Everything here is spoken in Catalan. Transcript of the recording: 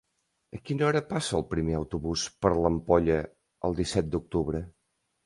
A quina hora passa el primer autobús per l'Ampolla el disset d'octubre?